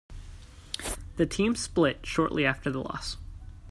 The team split shortly after the loss.